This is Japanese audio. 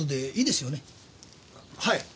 はい。